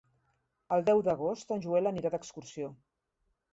El deu d'agost en Joel anirà d'excursió.